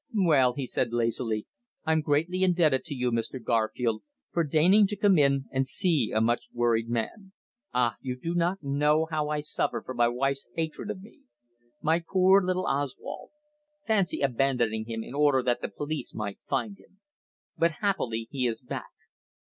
"Well," he said lazily, "I'm greatly indebted to you, Mr. Garfield, for deigning to come in and see a much worried man. Ah! you do not know how I suffer from my wife's hatred of me. My poor little Oswald. Fancy abandoning him in order that the police might find him. But happily he is back.